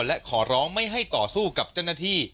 และขอร้องไม่ให้ต่อสู้กับเจ้าหน้าที่